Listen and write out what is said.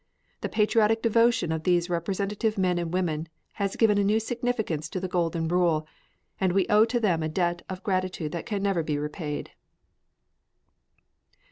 The patriotic devotion of these representative men and women has given a new significance to the Golden Rule, and we owe to them a debt of gratitude that can never be repaid.